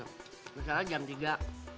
di jam yang sudah ditentukan